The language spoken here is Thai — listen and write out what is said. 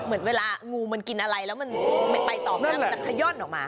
เหมือนเวลางูมันกินอะไรแล้วมันไปต่อไม่ได้มันจะขย่อนออกมา